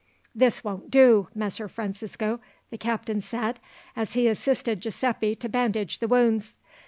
"This won't do, Messer Francisco," the captain said as he assisted Giuseppi to bandage the wounds.